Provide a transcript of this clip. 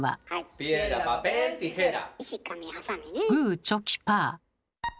グーチョキパー。